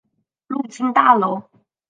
入境大楼